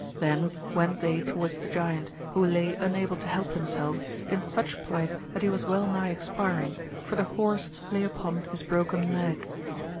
Then went they towards the giant, who lay unable to help himself, in sucli plight that he was well nigh expiring, for the horse lay upon his broken leg.